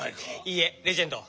いいえレジェンド。